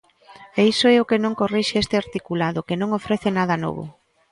E iso é o que non corrixe este articulado, que non ofrece nada novo.